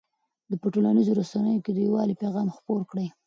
په ټولنیزو رسنیو کې د یووالي پیغام خپور کړئ.